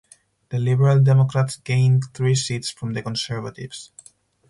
The Liberal Democrats gained three seats from the Conservatives.